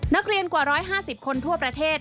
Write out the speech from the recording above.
นักเรียนกว่า๑๕๐คนทั่วประเทศ